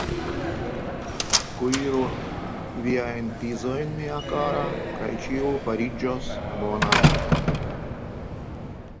Kuiru viajn pizojn, mia kara, kaj ĉio fariĝos bona!